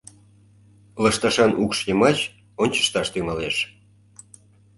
Лышташан укш йымач ончышташ тӱҥалеш.